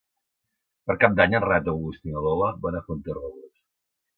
Per Cap d'Any en Renat August i na Lola van a Fuenterrobles.